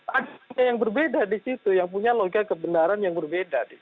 adanya yang berbeda di situ yang punya logika kebenaran yang berbeda